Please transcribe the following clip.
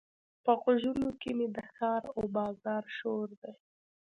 په غوږونو کې مې د ښار او بازار شور دی.